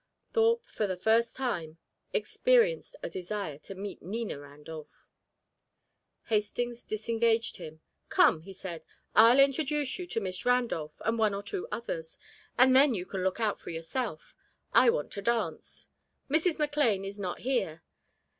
Thorpe, for the first time, experienced a desire to meet Nina Randolph. Hastings disengaged him. "Come," he said, "I'll introduce you to Miss Randolph and one or two others, and then you can look out for yourself. I want to dance. Mrs. McLane is not here.